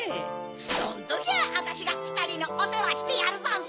そんときはあたしがふたりのおせわしてやるざんす！